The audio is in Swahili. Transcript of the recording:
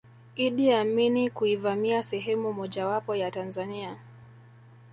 Iddi Amini kuivamia sehemu mojawapo ya Tanzania